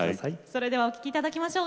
それではお聴きいただきましょう。